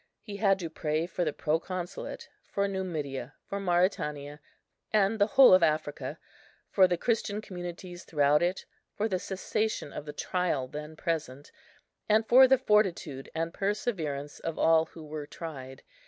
He had to pray for the proconsulate, for Numidia, Mauretania, and the whole of Africa; for the Christian communities throughout it, for the cessation of the trial then present, and for the fortitude and perseverance of all who were tried.